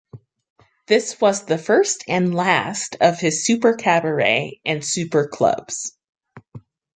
This was the first and last of his super cabaret and super clubs.